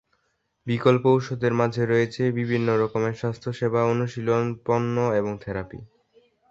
বিকল্প ঔষধের মাঝে রয়েছে বিভিন্ন রকমের স্বাস্থ্যসেবা অনুশীলন, পণ্য এবং থেরাপি।